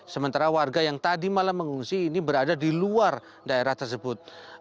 sementara warga yang tadi malam mengungsi ini berada di luar daerah tersebut